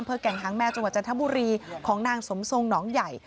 เพื่อแก่งหางแมวจังหวัดจันทบุรีของนางสมทรงหนองใหญ่